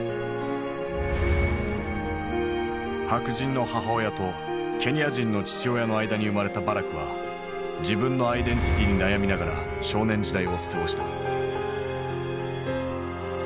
白人の母親とケニア人の父親の間に生まれたバラクは自分のアイデンティティーに悩みながら少年時代を過ごした。